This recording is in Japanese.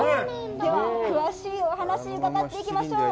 では、詳しいお話を伺っていきましょう。